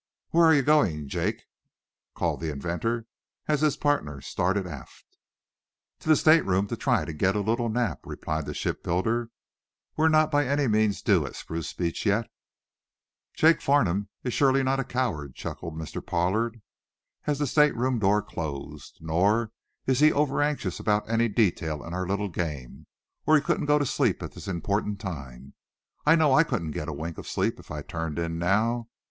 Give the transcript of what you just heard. "Where are you going, Jake?" called the inventor, as his partner started aft. "To the stateroom, to get a little nap," replied the shipbuilder. "We're not by any means due at Spruce Beach yet." "Jake Farnum is surely not a coward," chuckled Mr. Pollard, as the stateroom door closed. "Nor is he over anxious about any detail in our little game, or he couldn't go to sleep at this important time. I know I couldn't get a wink of sleep if I turned in now.